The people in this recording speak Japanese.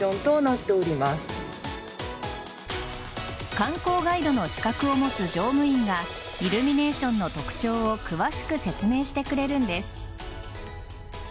観光ガイドの資格を持つ乗務員がイルミネーションの特徴を詳しく説明してくれるんです。